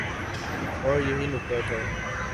اوریہی نکتہ تھا۔